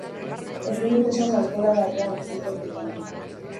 Ezin dut esan alkohola edatea gustuko ez dudanik.